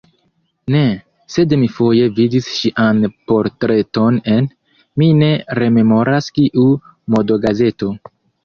Ne, sed mi foje vidis ŝian portreton en, mi ne rememoras kiu, modogazeto.